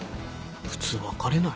普通別れない？